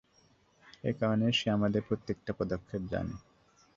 এ কারণেই সে আমাদের প্রত্যেকটা পদক্ষেপ জানে।